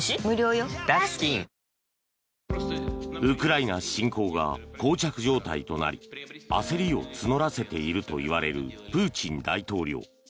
ウクライナ侵攻がこう着状態となり焦りを募らせているといわれているプーチン大統領。